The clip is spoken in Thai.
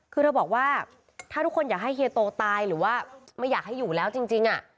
คือเธอบอกว่าถ้าทุกคนอยากให้เฮียโตตายหรือว่าไม่อยากให้อยู่แล้วจริง